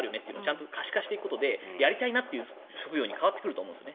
ちゃんと可視化していくことでやりたい職業に変わってくると思います。